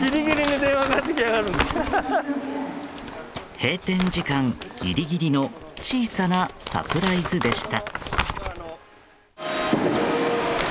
閉店時間ギリギリの小さなサプライズでした。